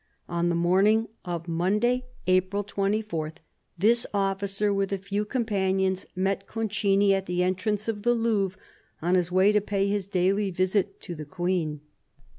On the morning of Monday, April 24, 96 CARDINAL DE RICHELIEU this officer with a few companions met Concini at the entrance of the Louvre on his way to pay his daily visit to the Queen.